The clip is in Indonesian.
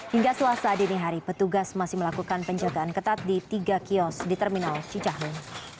hingga selasa dini hari petugas masih melakukan penjagaan ketat di tiga kios di terminal cicahem